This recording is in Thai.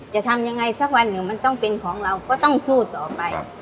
จะทำยังไงสักวันหนึ่งมันต้องเป็นของเราก็ต้องสู้ต่อไป